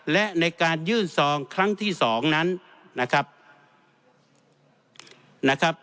และในการยื่นซองครั้งที่สองนั้นนะครับ